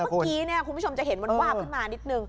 เมื่อกี้คุณผู้ชมจะเห็นมันวาบขึ้นมานิดนึง